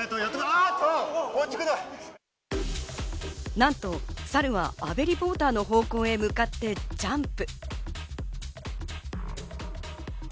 なんとサルは阿部リポーターの方向へ向かってジャンプ。